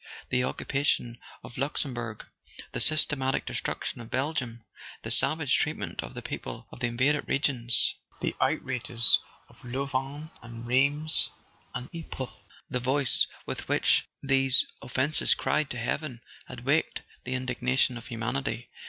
The occupation of Luxem¬ bourg; the systematic destruction of Belgium; the savage treatment of the people of the invaded regions; [ 133 ] A SON AT THE FRONT the outrages of Louvain and Rheims and Ypres; the voice with which these offences cried to heaven had waked the indignation of humanity.